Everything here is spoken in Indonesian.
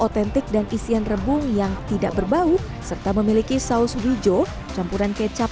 otentik dan isian rebung yang tidak berbau serta memiliki saus hijau campuran kecap